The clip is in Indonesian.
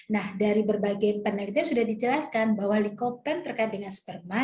nah dari berbagai penelitian sudah dijelaskan bahwa likopen terkait dengan sperma